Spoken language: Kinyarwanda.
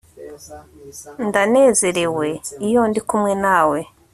Ndanezerewe iyo ndi kumwe nawe